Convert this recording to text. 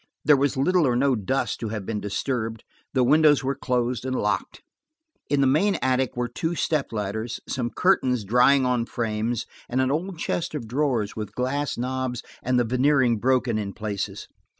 There was little or no dust to have been disturbed; the windows were closed and locked. In the main attic were two step ladders, some curtains drying on frames and an old chest of drawers with glass knobs and the veneering broken in places.